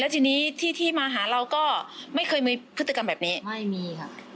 ทีนี้ที่ที่มาหาเราก็ไม่เคยมีพฤติกรรมแบบนี้ไม่มีค่ะ